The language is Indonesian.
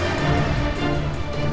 jangan pak landung